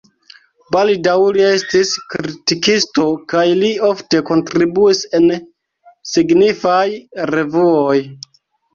Baldaŭ li estis kritikisto kaj li ofte kontribuis en signifaj revuoj.